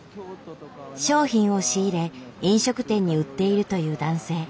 商品を仕入れ飲食店に売っているという男性。